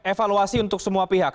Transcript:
evaluasi untuk semua pihak